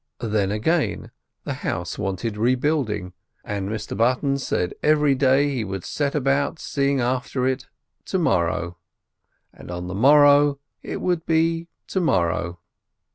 Then, again, the house wanted rebuilding, and Mr Button said every day he would set about seeing after it to morrow, and on the morrow it would be to morrow.